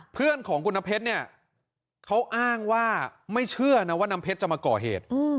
เพื่อนของคุณน้ำเพชรเนี่ยเขาอ้างว่าไม่เชื่อนะว่าน้ำเพชรจะมาก่อเหตุ